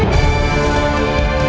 kau tak bisa berpikir pikir